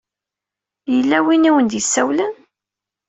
Yella win i awen-d-isawlen?